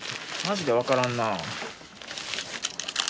マジで分からんな。